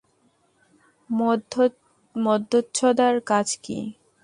মধ্যচ্ছদার কাজ কী?